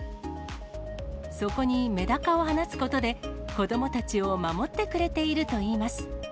そこにメダカを放つことで、子どもたちを守ってくれているといいます。